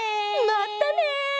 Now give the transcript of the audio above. まったね！